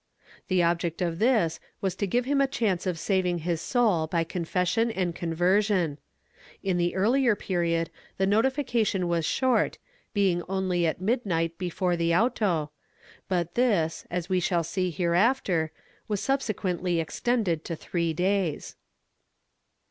The object of this was to give him a chance of saving his soul by confession and conversion; in the earlier period the notification was short, being only at midnight before the auto, but this, as we shall see here after, was subsequently extended to three days.